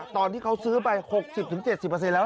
ตอนที่เขาซื้อไป๖๐๗๐แล้ว